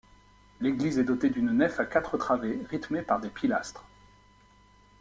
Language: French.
L'église est dotée d'une nef à quatre travées, rythmées par des pilastres.